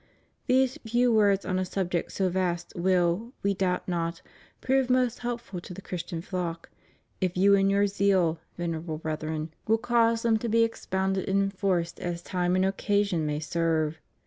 These few words on a subject so vast will. We doubt not, prove most helpful to the Christian flock, if you in your zeal. Venerable Brethren, will cause them to be ex pounded and enforced as time and occasion may serve.